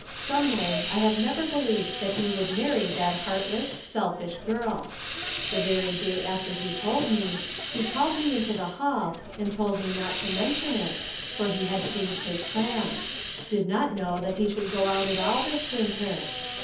Someway I have never believed that he would marrv that ■t heartless, selfish girl. The very day after he told me he called me into the hall, and told me not to mention it, for he had changed his plans ; did not know that he should go out at all this winter.